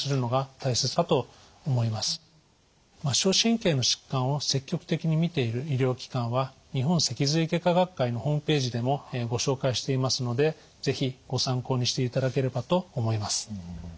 末梢神経の疾患を積極的に診ている医療機関は日本脊髄外科学会のホームページでもご紹介していますので是非ご参考にしていただければと思います。